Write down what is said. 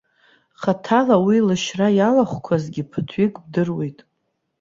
Хаҭала уи лышьра иалахәқәазгьы ԥыҭҩык бдыруеит.